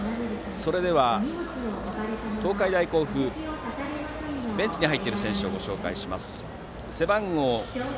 それでは東海大甲府ベンチに入っている選手をご紹介します。